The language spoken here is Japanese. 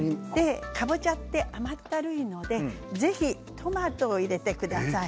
かぼちゃって甘ったるいのでぜひトマトを入れてください。